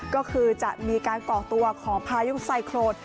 ก็คือจะมีการก่อตัวของพายุไซโครน